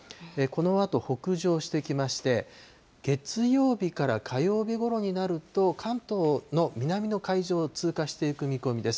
このあと北上してきまして、月曜日から火曜日ごろになると、関東の南の海上を通過していく見込みです。